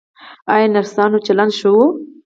ایا نرسانو چلند ښه و؟